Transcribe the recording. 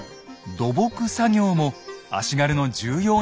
土木作業も足軽の重要な任務でした。